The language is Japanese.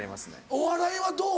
お笑いはどう？